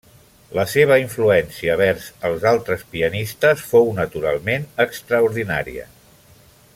La seva influència vers els altres pianistes fou naturalment extraordinària.